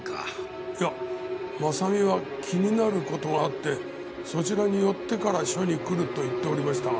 いや真実は気になる事があってそちらに寄ってから署に来ると言っておりましたが。